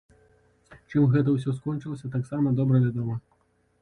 Чым гэта ўсё скончылася, таксама добра вядома.